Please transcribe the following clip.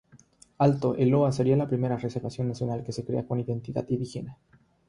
Alto El Loa sería la primera reserva nacional que se crea con identidad indígena.